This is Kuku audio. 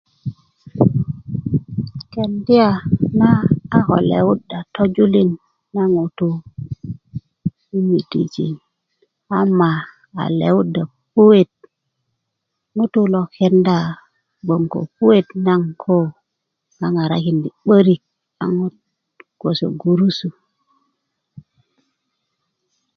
kendya na a ko lewuda tojulin na ŋutu i midijik ama a lewudiya puet ŋutulu lo kenda gboŋ ko puet naŋ koo ŋaŋarakindi 'börik gboso gurusu